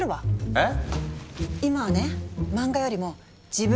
えっ？